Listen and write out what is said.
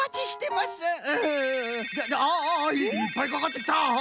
いっぱいかかってきた！